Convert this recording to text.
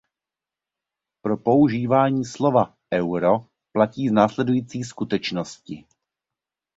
Pro používání slova "euro" platí následující skutečnosti.